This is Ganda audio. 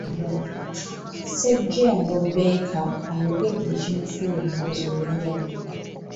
Ssejjengo Baker ayogedde ekimufuula omukozi ow'enjawulo.